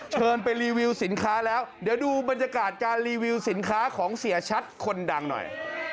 เชิญไปรีวิวสินค้าแล้วเดี๋ยวดูบรรยากาศการรีวิวสินค้าของเสียชัดคนดังหน่อย